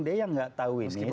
dia yang nggak tahu ini